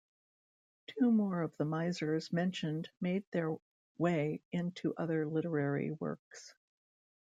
Two more of the misers mentioned made their way into other literary works.